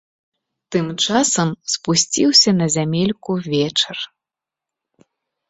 Тым часам спусціўся на зямельку вечар.